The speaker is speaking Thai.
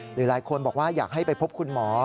หรือหลายคนบอกว่าอยากให้ไปพบคุณหมอ